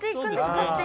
勝手に。